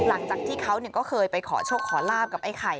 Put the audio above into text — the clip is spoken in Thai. หลังจากที่เขาก็เคยไปขอโชคขอลาบกับไอ้ไข่